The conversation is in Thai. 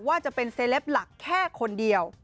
ว่าจะเป็นเซลปหลักแค่คนเดียว